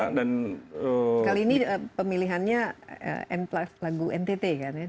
sekali ini pemilihannya lagu ntt kan ya